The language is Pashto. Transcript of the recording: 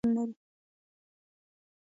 په افغانستان کې زراعت په پراخه کچه شتون لري.